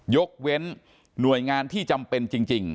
ยกเว้นหน่วยงานที่จำเป็นจริง